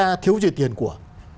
là doanh nghiệp tư nhân của